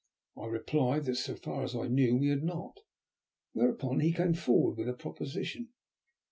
I replied that so far as I knew we had not, whereupon he came forward with a proposition.